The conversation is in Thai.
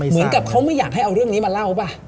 เหมือนกับเขาไม่อยากให้เอาเรื่องนี้มาเล่าป่ะ